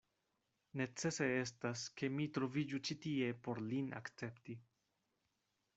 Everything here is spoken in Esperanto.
Necese estas, ke mi troviĝu ĉi tie por lin akcepti.